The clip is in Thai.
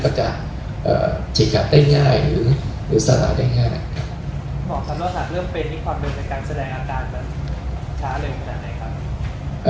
เพราะว่าอย่างการแสดงอาการเสริมช้าเลยเท่าไหร่ครับ